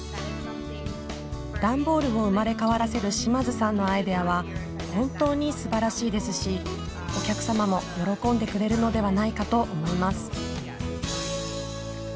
段ボールを生まれ変わらせる島津さんのアイデアは本当にすばらしいですしお客様も喜んでくれるのではないかと思います。